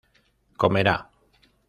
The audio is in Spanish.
comerá